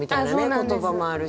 言葉もあるし。